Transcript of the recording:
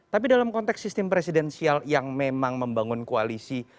tapi dalam konteks sistem presidensial yang memang membangun koalisi